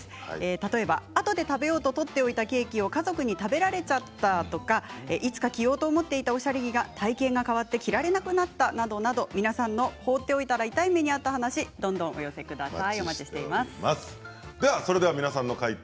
例えば、あとで食べようと取っておいたケーキを家族に食べられちゃったとかいつか着ようと思っていたおしゃれ着が体型が変わって着られなくなったなどなど皆さんの放っておいたら痛い目にあった話お寄せください。